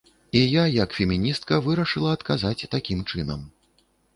І я, як феміністка, вырашыла адказаць такім чынам.